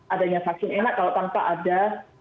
adanya vaksin enak kalau tanpa ada